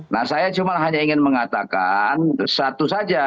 nah saya cuma hanya ingin mengatakan satu saja